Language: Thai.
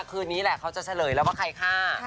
คืนนี้แหละเขาจะเฉลยแล้วว่าใครฆ่า